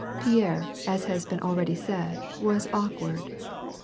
Pierre, as has been already said, was awkward.